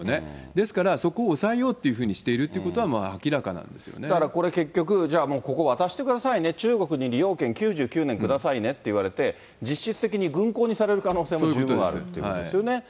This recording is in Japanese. ですから、そこをおさえようっていうふうにしていることは、もう明らかなんだから、これ、結局、じゃあ、もうここ、渡してくださいね、中国に利用権９９年くださいねって言われて、実質的に軍港にされる可能性も十分あるっていうことですよね。